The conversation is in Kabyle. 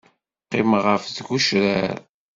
Qqimeɣ ɣef tgecrar.